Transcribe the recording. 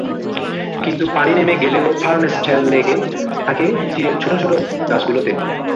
কিন্তু পানি নেমে গেলেও ফার্নেস তেল লেগে থাকে তীরের ছোট ছোট গাছগুলোতে।